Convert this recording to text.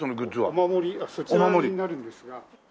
お守りそちらになるんですが。